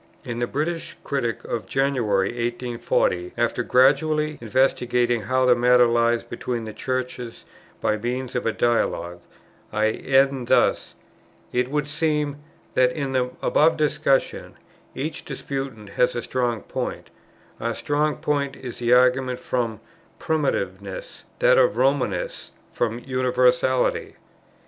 In the British Critic of January 1840, after gradually investigating how the matter lies between the Churches by means of a dialogue, I end thus: "It would seem, that, in the above discussion, each disputant has a strong point: our strong point is the argument from Primitiveness, that of Romanists from Universality.